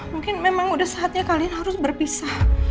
mungkin memang udah saatnya kalian harus berpisah